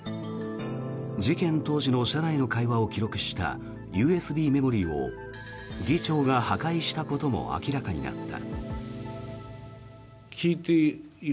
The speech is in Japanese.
事件当時の車内の会話を記録したＵＳＢメモリーを議長が破壊したことも明らかになった。